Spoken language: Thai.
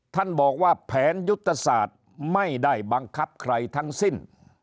ท่านบอกว่าแผนยุทธศาสตร์ไม่ได้บังคับใครทั้งสิ้น